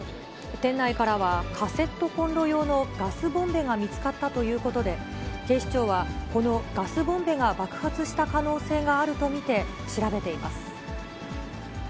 店内からは、カセットコンロ用のガスボンベが見つかったということで、警視庁は、このガスボンベが爆発した可能性があると見て調べています。